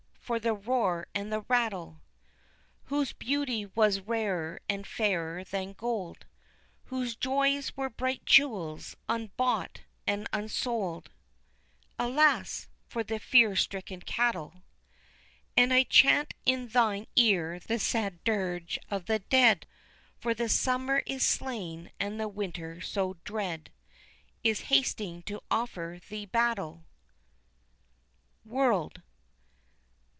for the roar and the rattle.) Whose beauty was rarer and fairer than gold, Whose joys were bright jewels, unbought and unsold, (Alas! for the fear stricken cattle.) And I chant in thine ear the sad dirge of the dead, For the summer is slain and the winter so dread Is hasting to offer thee battle. _World.